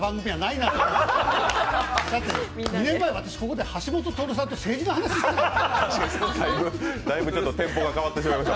だって２年前、私、ここで橋下徹さんと政治の話してた。